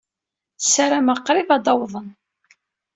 Ssarameɣ qrib ad d-awḍen.